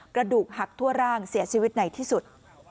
กระดูกหักทั่วร่างเสียชีวิตในที่สุด